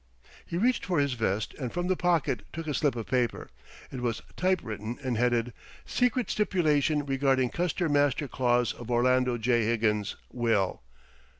He reached for his vest and from the pocket took a slip of paper. It was typewritten and headed "Secret Stipulation Regarding Custer Master Clause of Orlando J. Higgins Will.